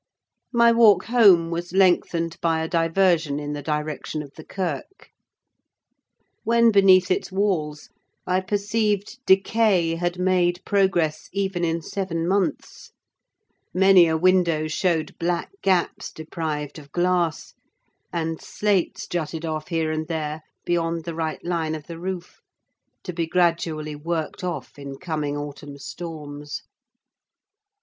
My walk home was lengthened by a diversion in the direction of the kirk. When beneath its walls, I perceived decay had made progress, even in seven months: many a window showed black gaps deprived of glass; and slates jutted off, here and there, beyond the right line of the roof, to be gradually worked off in coming autumn storms.